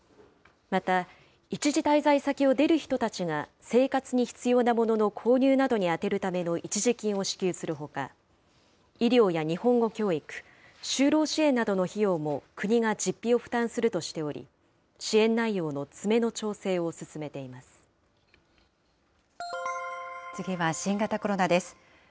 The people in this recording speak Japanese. また、一時滞在先を出る人たちが生活に必要なものの購入などに充てるための一時金を支給するほか、医療や日本語教育、就労支援などの費用も国が実費を負担するとしており、支援内容の次は新型コロナです。